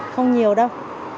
không nhiều đâu